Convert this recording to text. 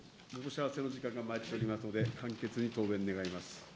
時間がまいっておりますので、簡潔に答弁願います。